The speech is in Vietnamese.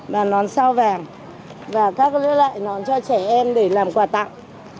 mà nón sao vàng và các loại nón cho trẻ em để làm quà tặng